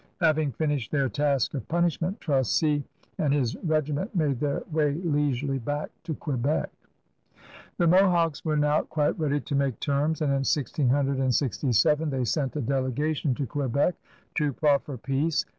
Having finished their task of punishment, Tracy and his raiment made their way leisurely back to Quebec. The Mohawks were now quite ready to make terms, and in 1667 they sent a delegation to Que bec to proffer peace.